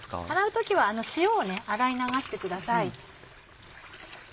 洗う時は塩を洗い流してください。